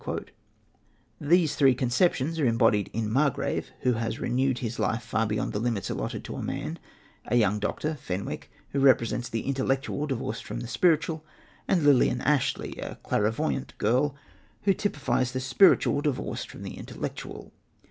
These three conceptions are embodied in Margrave, who has renewed his life far beyond the limits allotted to man; a young doctor, Fenwick, who represents the intellectual divorced from the spiritual; and Lilian Ashleigh, a clairvoyante girl, who typifies the spiritual divorced from the intellectual.